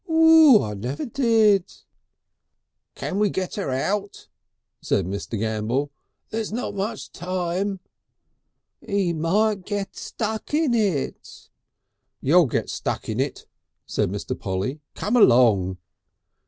I never did!" "Can we get her out?" said Mr. Gambell. "There's not much time." "He might git stuck in it." "You'll get stuck in it," said Mr. Polly, "come along!"